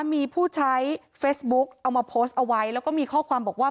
มีผู้ใช้เฟซบุ๊กเอามาโพสต์เอาไว้แล้วก็มีข้อความบอกว่า